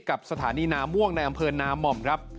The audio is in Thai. กับสถานีนาม่วงในอำเภอนาม่อมครับ